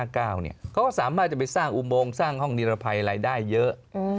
เขาก็สามารถจะไปสร้างอุโมงสร้างห้องนิรภัยรายได้เยอะ